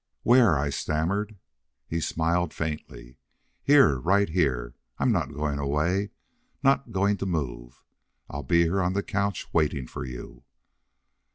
"Where?" I stammered. He smiled faintly. "Here. Right here. I'm not going away! Not going to move. I'll be here on the couch waiting for you."